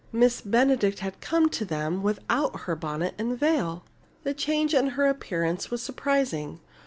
Miss Benedict had come to them without her bonnet and veil! The change in her appearance was surprising.